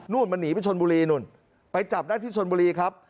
มันหนีไปชนบุรีนู่นไปจับได้ที่ชนบุรีครับ